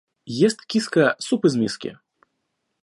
Ест киска суп из миски.